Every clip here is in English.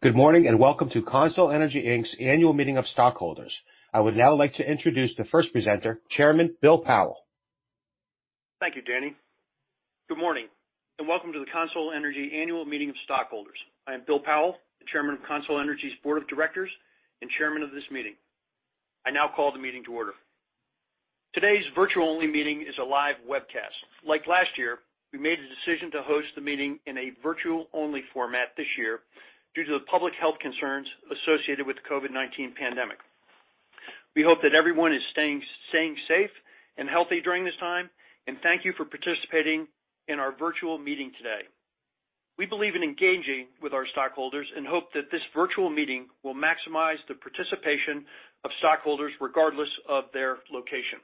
Good morning and welcome to CONSOL Energy's Annual Meeting Of Stockholders. I would now like to introduce the first presenter, Chairman Bill Powell. Thank you, Danny. Good morning and welcome to the CONSOL Energy annual meeting of stockholders. I am Bill Powell, the Chairman of CONSOL Energy' Board of Directors and Chairman of this meeting. I now call the meeting to order. Today's virtual-only meeting is a live webcast. Like last year, we made a decision to host the meeting in a virtual-only format this year due to the public health concerns associated with the COVID-19 pandemic. We hope that everyone is staying safe and healthy during this time, and thank you for participating in our virtual meeting today. We believe in engaging with our stockholders and hope that this virtual meeting will maximize the participation of stockholders regardless of their location.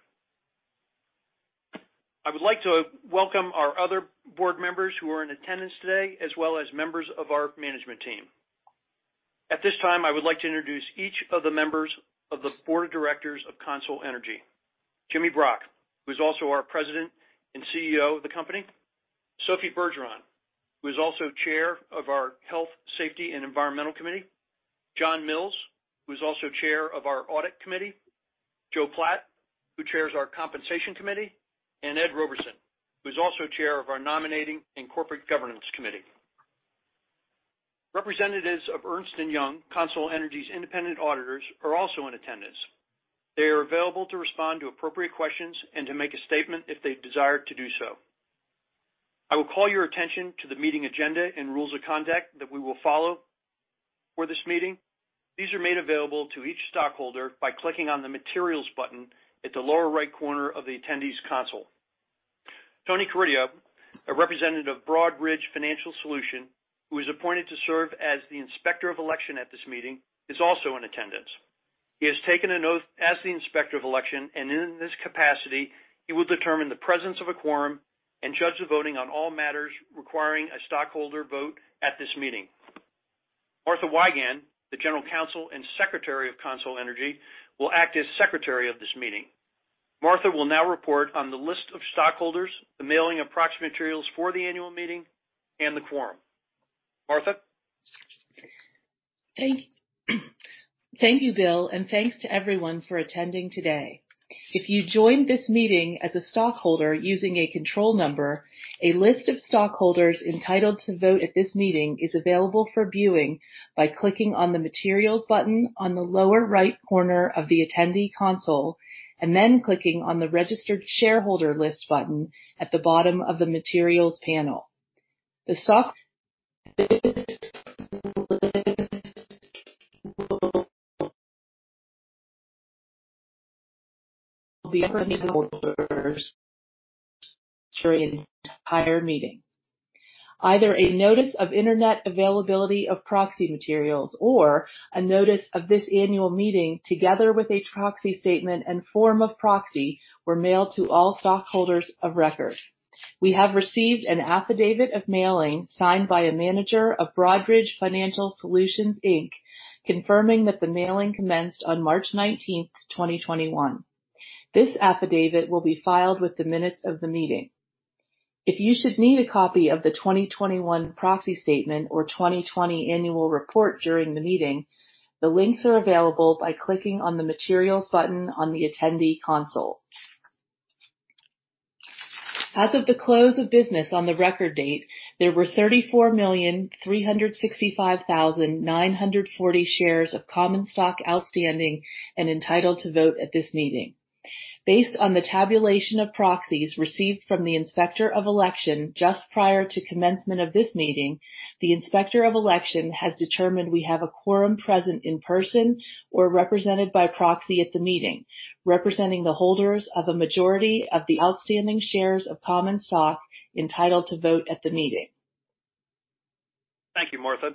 I would like to welcome our other board members who are in attendance today, as well as members of our management team. At this time, I would like to introduce each of the members of the Board of Directors of CONSOL Energy Jimmy Brock, who is also our President and CEO of the company; Sophie Bergeron, who is also Chair of our Health, Safety, and Environmental Committee; John Mills, who is also Chair of our Audit Committee; Joe Platt, who chairs our Compensation Committee; and Ed Roberson, who is also Chair of our Nominating and Corporate Governance Committee. Representatives of Ernst & Young, CONSOL Energy independent auditors, are also in attendance. They are available to respond to appropriate questions and to make a statement if they desire to do so. I will call your attention to the meeting agenda and rules of conduct that we will follow for this meeting. These are made available to each stockholder by clicking on the Materials button at the lower right corner of the attendees' console. Tony Caridio, a representative of Broadridge Financial Solutions, who is appointed to serve as the Inspector of Election at this meeting, is also in attendance. He has taken a note as the Inspector of Election, and in this capacity, he will determine the presence of a quorum and judge the voting on all matters requiring a stockholder vote at this meeting. Martha Wiegand, the General Counsel and Secretary of CONSOL Energy, will act as Secretary of this meeting. Martha will now report on the list of stockholders, the mailing of proxy materials for the annual meeting, and the quorum. Martha. Thank you, Bill, and thanks to everyone for attending today. If you joined this meeting as a stockholder using a control number, a list of stockholders entitled to vote at this meeting is available for viewing by clicking on the Materials button on the lower right corner of the attendee console and then clicking on the Registered Shareholder List button at the bottom of the Materials panel. The stockholders will be at the table during the entire meeting. Either a Notice of Internet Availability of Proxy Materials or a Notice of this Annual Meeting, together with a proxy statement and form of proxy, were mailed to all stockholders of record. We have received an affidavit of mailing signed by a manager of Broadridge Financial Solutions, confirming that the mailing commenced on March 19, 2021. This affidavit will be filed with the minutes of the meeting. If you should need a copy of the 2021 proxy statement or 2020 annual report during the meeting, the links are available by clicking on the Materials button on the attendee console. As of the close of business on the record date, there were 34,365,940 shares of common stock outstanding and entitled to vote at this meeting. Based on the tabulation of proxies received from the Inspector of Election just prior to commencement of this meeting, the Inspector of Election has determined we have a quorum present in person or represented by proxy at the meeting, representing the holders of a majority of the outstanding shares of common stock entitled to vote at the meeting. Thank you, Martha.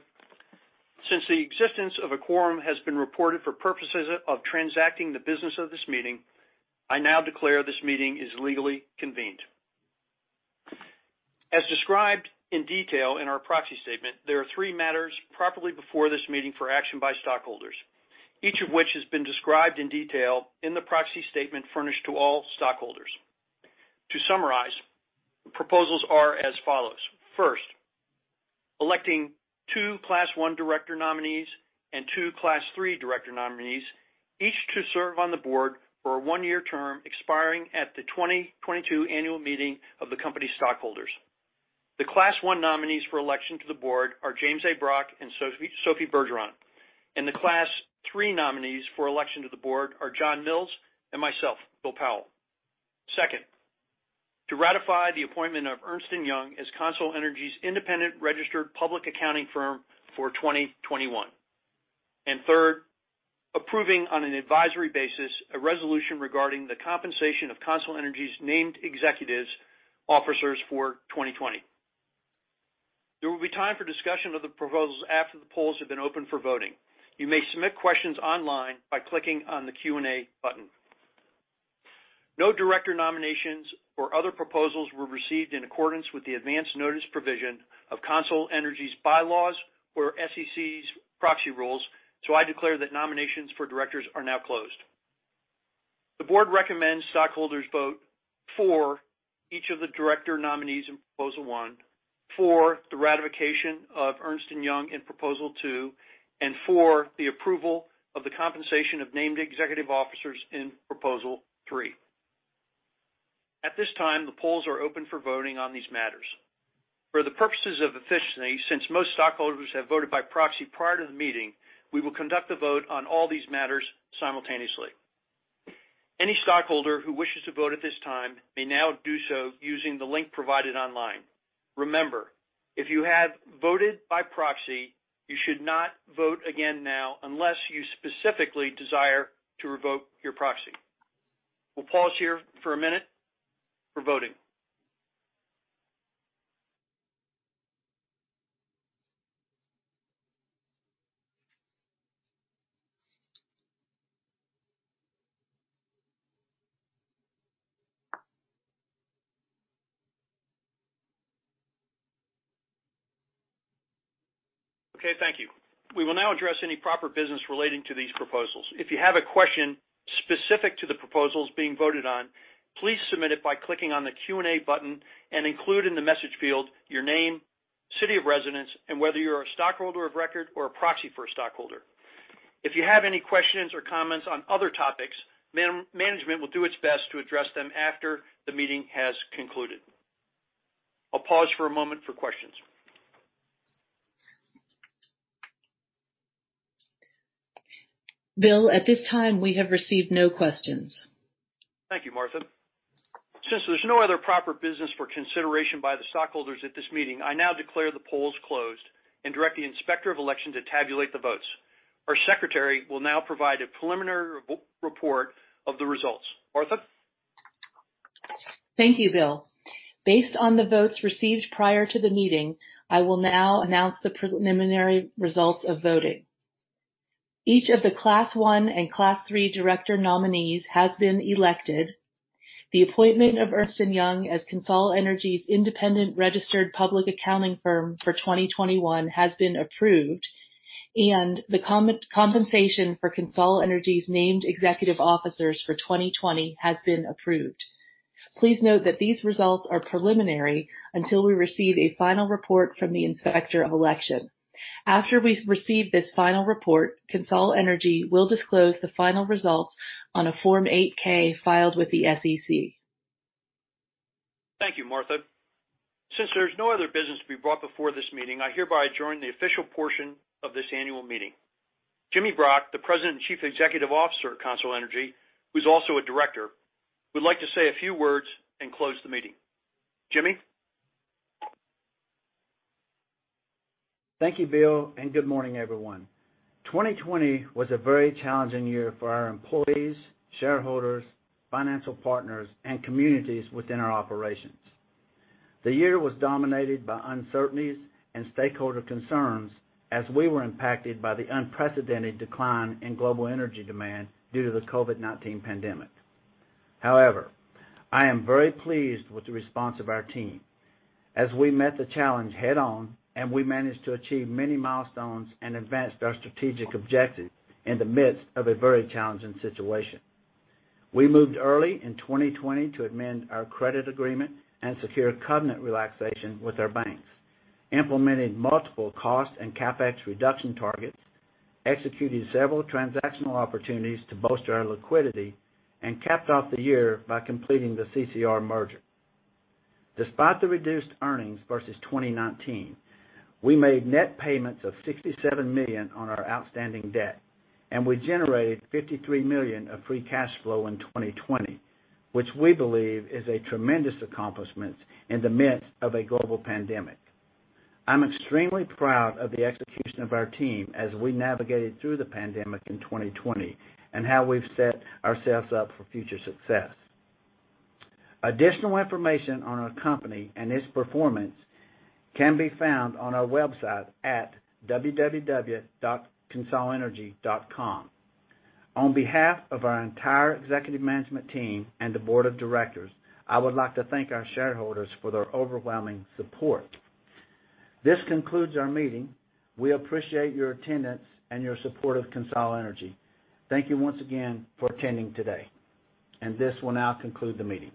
Since the existence of a quorum has been reported for purposes of transacting the business of this meeting, I now declare this meeting is legally convened. As described in detail in our proxy statement, there are three matters properly before this meeting for action by stockholders, each of which has been described in detail in the proxy statement furnished to all stockholders. To summarize, the proposals are as follows: first, electing two Class 1 Director nominees and two Class 3 Director nominees, each to serve on the board for a one-year term expiring at the 2022 annual meeting of the company's stockholders. The Class 1 nominees for election to the board are James A. Brock and Sophie Bergeron, and the Class 3 nominees for election to the board are John Mills and myself, Bill Powell. Second, to ratify the appointment of Ernst & Young as CONSOL Energy independent registered public accounting firm for 2021. Third, approving on an advisory basis a resolution regarding the compensation of CONSOL Energy named executive officers for 2020. There will be time for discussion of the proposals after the polls have been opened for voting. You may submit questions online by clicking on the Q&A button. No Director nominations or other proposals were received in accordance with the Advance Notice provision of CONSOL Energy bylaws or SEC's proxy rules, so I declare that nominations for Directors are now closed. The board recommends stockholders vote for each of the Director nominees in Proposal 1, for the ratification of Ernst & Young in Proposal 2, and for the approval of the compensation of named executive officers in Proposal 3. At this time, the polls are open for voting on these matters. For the purposes of efficiency, since most stockholders have voted by proxy prior to the meeting, we will conduct the vote on all these matters simultaneously. Any stockholder who wishes to vote at this time may now do so using the link provided online. Remember, if you have voted by proxy, you should not vote again now unless you specifically desire to revoke your proxy. We'll pause here for a minute for voting. Okay, thank you. We will now address any proper business relating to these proposals. If you have a question specific to the proposals being voted on, please submit it by clicking on the Q&A button and include in the message field your name, city of residence, and whether you're a stockholder of record or a proxy for a stockholder. If you have any questions or comments on other topics, management will do its best to address them after the meeting has concluded. I'll pause for a moment for questions. Bill, at this time, we have received no questions. Thank you, Martha. Since there's no other proper business for consideration by the stockholders at this meeting, I now declare the polls closed and direct the Inspector of Election to tabulate the votes. Our Secretary will now provide a preliminary report of the results. Martha? Thank you, Bill. Based on the votes received prior to the meeting, I will now announce the preliminary results of voting. Each of the Class 1 and Class 3 Director nominees has been elected, the appointment of Ernst & Young as CONSOL Energy independent registered public accounting firm for 2021 has been approved, and the compensation for CONSOL Energy' named executive officers for 2020 has been approved. Please note that these results are preliminary until we receive a final report from the Inspector of Election. After we receive this final report, CONSOL Energy will disclose the final results on a Form 8-K filed with the SEC. Thank you, Martha. Since there's no other business to be brought before this meeting, I hereby adjourn the official portion of this annual meeting. Jimmy Brock, the President and Chief Executive Officer of CONSOL Energy, who's also a Director, would like to say a few words and close the meeting. Jimmy? Thank you, Bill, and good morning, everyone. 2020 was a very challenging year for our employees, shareholders, financial partners, and communities within our operations. The year was dominated by uncertainties and stakeholder concerns as we were impacted by the unprecedented decline in global energy demand due to the COVID-19 pandemic. However, I am very pleased with the response of our team. As we met the challenge head-on, we managed to achieve many milestones and advanced our strategic objectives in the midst of a very challenging situation. We moved early in 2020 to amend our credit agreement and secure covenant relaxation with our banks, implemented multiple cost and CapEx reduction targets, executed several transactional opportunities to bolster our liquidity, and capped off the year by completing the CCR merger. Despite the reduced earnings versus 2019, we made net payments of $67 million on our outstanding debt, and we generated $53 million of free cash flow in 2020, which we believe is a tremendous accomplishment in the midst of a global pandemic. I'm extremely proud of the execution of our team as we navigated through the pandemic in 2020 and how we've set ourselves up for future success. Additional information on our company and its performance can be found on our website at www.corenaturalresources.com. On behalf of our entire executive management team and the Board of Directors, I would like to thank our shareholders for their overwhelming support. This concludes our meeting. We appreciate your attendance and your support of CONSOL Energy. Thank you once again for attending today, and this will now conclude the meeting.